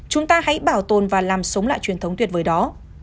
chúng ta hãy bảo tồn và làm sống lại truyền thống tuyệt vời đó